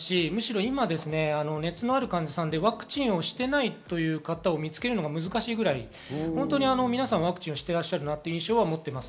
今は熱のある患者さんでワクチンをしていないという方を見つけるのが難しいぐらい皆さんワクチンをしていらっしゃる印象です。